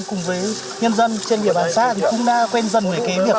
cùng với nhân dân trên địa bàn xác thì cũng đã quen dần với kế việc